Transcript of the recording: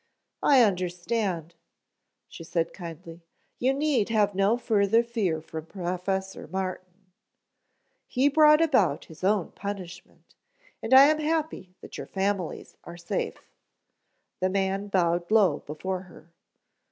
"I understand," she said kindly. "You need have no further fear from Professor Martin. He brought about his own punishment and I am happy that your families are safe." The man bowed low before her.